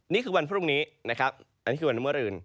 นี่คือวันพรุ่งนี้นี่คือวันวันเมื่อรื่น